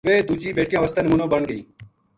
ویہ دُوجی بیٹکیاں وس نمونو بن گئی